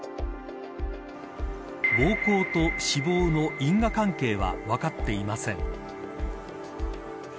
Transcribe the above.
暴行と死亡の因果関係は分かっていません。